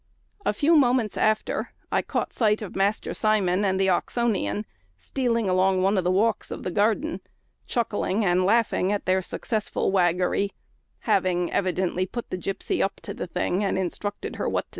A few moments after, I caught sight of Master Simon and the Oxonian stealing along one of the walks of the garden, chuckling and laughing at their successful waggery; having evidently put the gipsy up to the thing, and instructed her what to say.